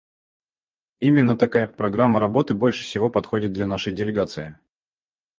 Именно такая программа работы больше всего подходит для нашей делегации.